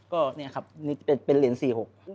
ก็เนี่ยครับนี่เป็นเหรียญ๔๖